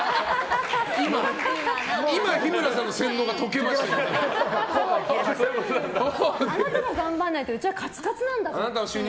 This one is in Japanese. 今、日村さんの洗脳があなたが頑張らないとうちはカツカツなんだと。